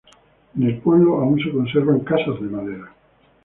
En el pueblo, aún se conservan casas de madera.